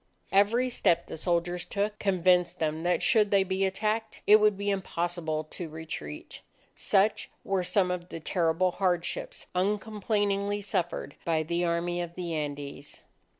Every step the soldiers took, convinced them that should they be attacked, it would be impossible to retreat. Such were some of the terrible hardships uncomplainingly suffered by the Army of the Andes.